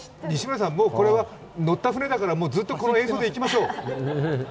もうこれは乗った船だからずっとこの映像でいきましょう。